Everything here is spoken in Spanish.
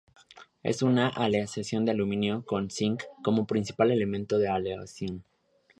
Es una aleación de aluminio con zinc como principal elemento de aleación.